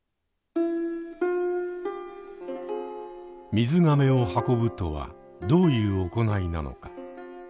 「水がめを運ぶ」とはどういう行いなのか。